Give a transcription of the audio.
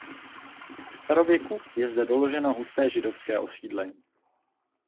Ve starověku je zde doloženo husté židovské osídlení.